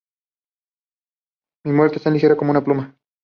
Mi muerte es tan ligera como una pluma.